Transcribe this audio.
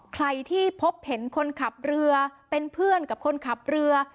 ใครที่พบเห็นคนขับเรือเป็นเพื่อนกับคนขับเรือ